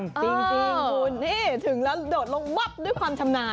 จริงคุณนี่ถึงแล้วโดดลงวับด้วยความชำนาญ